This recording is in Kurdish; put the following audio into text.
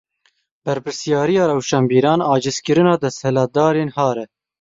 Berpirsyariya rewşenbîran acizkirina desthilatdarên har e.